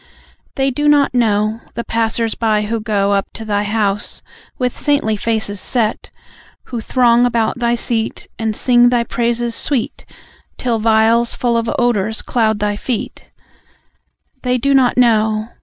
They do not know, The passers by, who go Up to Thy house, with saintly faces set; Who throng about Thy seat, And sing Thy praises sweet, Till vials full of odours cloud Thy feet; They do not know